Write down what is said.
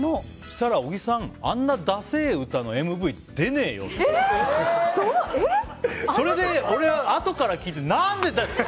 そしたら、小木さんあんなだせえ歌のＭＶ出ねえよって。それで俺はあとから聞いて何でだよ！